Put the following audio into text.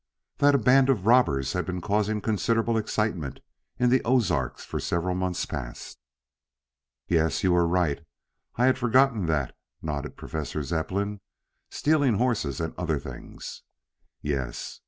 "That a band of robbers had been causing considerable excitement in the Ozarks for several months past." "Yes, you are right. I had forgotten that," nodded Professor Zepplin. "Stealing horses and other things." "Yes."